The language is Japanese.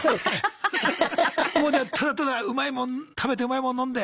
もうじゃあただただうまいもん食べてうまいもん飲んで。